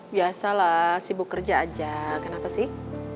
biasa lah sibuk kerja aja kenapa sih